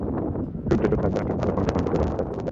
খুব দ্রুত ফারজানার চোখের আলো কমতে কমতে পুরো অন্ধকারে ডুবে যায়।